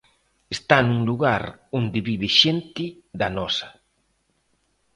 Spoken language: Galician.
Está nun lugar onde vive xente da nosa.